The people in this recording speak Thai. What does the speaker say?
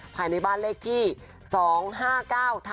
ภายในบ้านเลขที่๒๕๙๑๒๓นะคะ